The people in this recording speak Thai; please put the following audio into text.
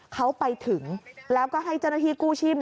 เขาไปถึงแล้วก็ให้เจ้าหน้าที่กู้ชีพ